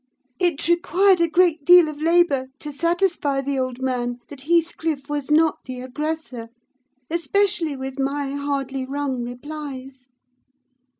It required a great deal of labour to satisfy the old man that Heathcliff was not the aggressor; especially with my hardly wrung replies.